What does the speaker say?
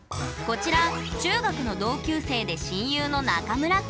こちら中学の同級生で親友のナカムラくん。